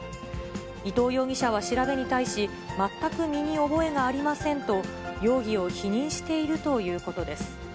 伊藤容疑者は調べに対し、全く身に覚えがありませんと、容疑を否認しているということです。